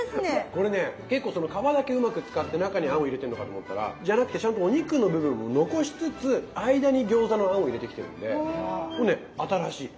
これね結構皮だけうまく使って中に餡を入れてんのかと思ったらじゃなくてちゃんとお肉の部分も残しつつ間に餃子の餡を入れてきてるんでこれね新しい。